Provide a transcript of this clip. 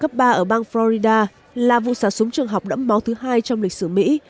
vụ xả súng gấp ba ở bang florida là vụ xả súng trường học đẫm máu thứ hai trong lịch sử mỹ